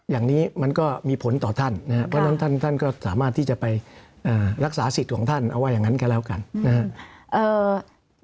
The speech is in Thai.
อย่างนี้มันก็มีผลต่อท่านนะครับเพราะฉะนั้นท่านก็สามารถที่จะไปรักษาสิทธิ์ของท่านเอาว่าอย่างนั้นก็แล้วกันนะครับ